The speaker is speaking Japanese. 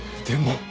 でも。